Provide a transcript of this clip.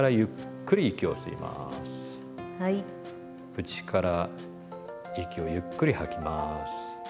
口から息をゆっくり吐きますね。